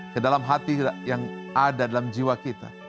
kedalam hati yang ada dalam jiwa kita